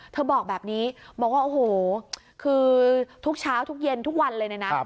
บอกแบบนี้บอกว่าโอ้โหคือทุกเช้าทุกเย็นทุกวันเลยนะ